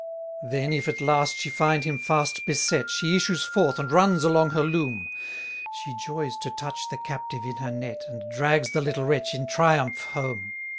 181 Then if at last she find him fast beset, She issues forth and runs along her loom: She joys to touch the captive in her net, And drags the little wretch in triumph home.